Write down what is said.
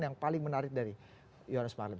yang paling menarik dari yohannes marlim